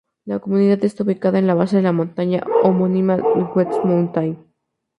La comunidad está ubicada en la base de la montaña homónima, West Mountain.